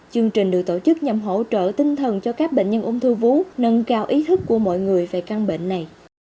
chương trình được tổ chức nhằm hỗ trợ tinh thần cho các bệnh nhân ung thư vú nâng cao ý thức của mọi người về căn bệnh này